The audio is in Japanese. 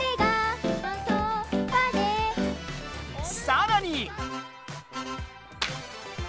さらに！